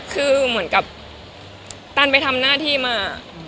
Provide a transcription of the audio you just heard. คือเหมือนกับตันไปทำหน้าที่มา